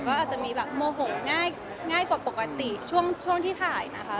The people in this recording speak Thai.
ก็อาจจะมีแบบโมโหง่ายกว่าปกติช่วงที่ถ่ายนะคะ